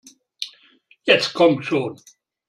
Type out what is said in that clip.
Jetzt komm schon!